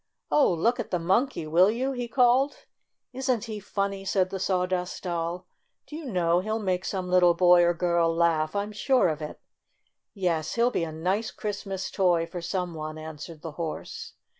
"Oh, look at the Monkey, will you?" he called. "Isn't he funny?" said the Sawdust Doll. "Do you know, he'll make some little boy or girl laugh, I'm sure of it!" "Yes, he'll be a nice Christmas toy for some one," answered the Horse.